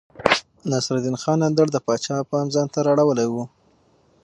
نصرالدين خان اندړ د پاچا پام ځانته رااړولی و.